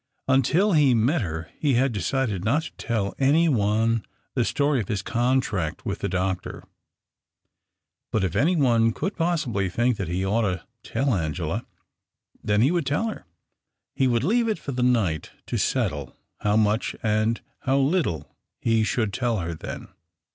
Until he net her he had decided not to tell any one the tory of his contract with the doctor. But if iiy one could possibly think that he ought to ell Angela, then he would tell her. He would eave it for the night to settle how much and LOW little he should tell her then.